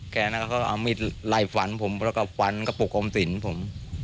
แกนี้เขาเอามีไหล่ฝันผมแล้วก็ฝันกระโปรกอมศิลป์ผม